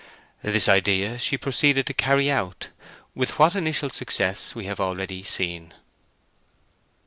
This idea she proceeded to carry out, with what initial success we have already seen.